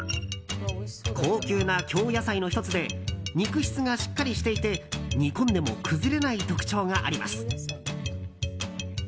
高級な京野菜の１つで肉質がしっかりしていて煮込んでも崩れない特徴があります。